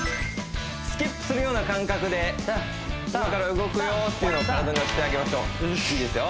スキップするような感覚で今から動くよっていうのを体に教えてあげましょういいですよ